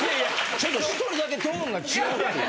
ちょっと１人だけトーンが違うっていう。